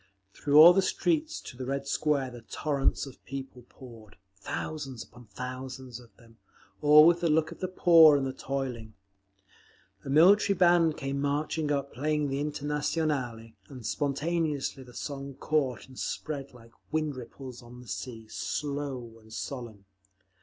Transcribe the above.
Through all the streets to the Red Square the torrents of people poured, thousands upon thousands of them, all with the look of the poor and the toiling. A military band came marching up, playing the Internationale, and spontaneously the song caught and spread like wind ripples on a sea, slow and solemn.